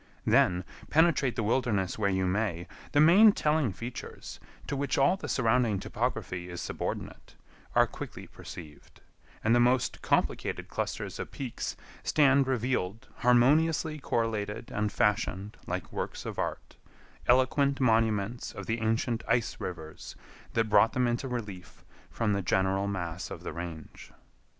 Then, penetrate the wilderness where you may, the main telling features, to which all the surrounding topography is subordinate, are quickly perceived, and the most complicated clusters of peaks stand revealed harmoniously correlated and fashioned like works of art—eloquent monuments of the ancient ice rivers that brought them into relief from the general mass of the range.